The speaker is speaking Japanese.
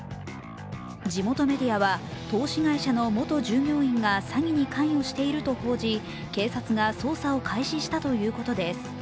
地元メディアは、投資会社の元従業員が詐欺に関与していると報じ、警察が捜査を開始したということです。